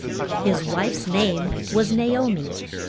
His wife's name was Na o mi.